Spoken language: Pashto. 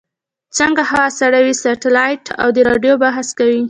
چې څنګه هوا سړوي سټلایټ او د رادیو بحث کوي.